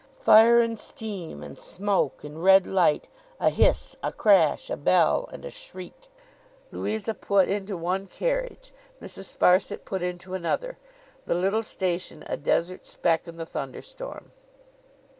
Fire and steam, and smoke, and red light; a hiss, a crash, a bell, and a shriek; Louisa put into one carriage, Mrs. Sparsit put into another: the little station a desert speck in the thunderstorm.